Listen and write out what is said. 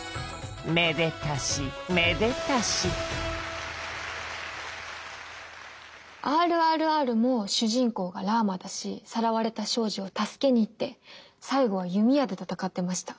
めでたしめでたし「ＲＲＲ」も主人公がラーマだしさらわれた少女を助けに行って最後は弓矢で戦ってました。